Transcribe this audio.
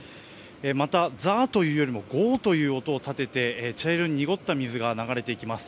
また、ザーッというよりもゴーッという音を立てて茶色い濁った水が流れていきます。